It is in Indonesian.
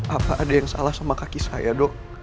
apa ada yang salah sama kaki saya dok